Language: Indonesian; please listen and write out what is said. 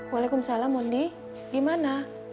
waalaikumsalam mondi gimana